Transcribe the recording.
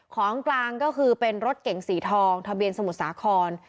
ของกลางก็คือเป็นรถเก๋งสีทองทะเบียนสมุทรสาคร